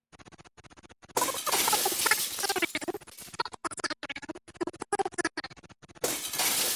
These include Czech Airlines, Turkish Airlines, and Finnair.